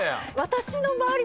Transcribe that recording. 私の周り